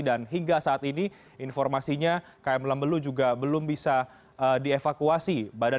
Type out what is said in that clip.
dan hingga saat ini informasinya km lambelu juga belum bisa dievakuasi